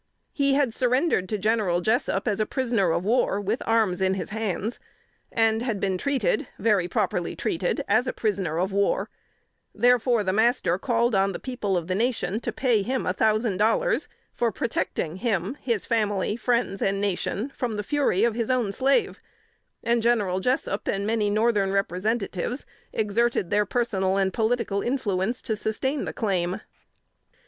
He had surrendered to General Jessup as prisoner of war with arms in his hands; had been treated very properly treated as a prisoner of war: therefore, the master called on the people of the nation to pay him a thousand dollars for protecting him, his family, friends and nation from the fury of his own slave; and General Jessup and many Northern Representatives exerted their personal and political influence to sustain the claim.